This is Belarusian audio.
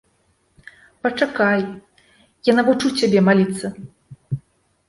Пачакай, я навучу цябе маліцца.